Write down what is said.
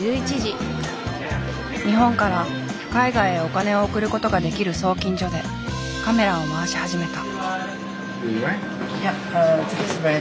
日本から海外へお金を送る事ができる送金所でカメラを回し始めた。